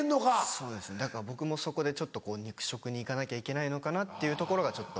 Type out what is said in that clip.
そうですねだから僕もそこで肉食に行かなきゃいけないのかなっていうところがちょっと。